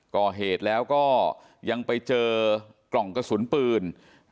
ก่อเหตุแล้วก็ยังไปเจอกล่องกระสุนปืน